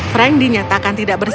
frank dinyatakan tidak bersalah